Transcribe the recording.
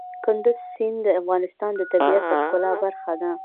کندز سیند د افغانستان د طبیعت د ښکلا برخه ده.